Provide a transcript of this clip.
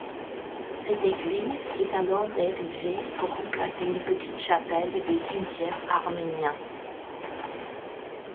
Cette église est alors érigée pour remplacer une petite chapelle du cimetière arménien.